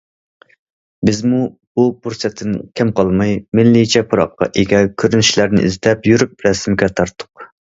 بىزمۇ بۇ پۇرسەتتىن كەم قالماي، مىللىيچە پۇراققا ئىگە كۆرۈنۈشلەرنى ئىزدەپ يۈرۈپ رەسىمگە تارتتۇق.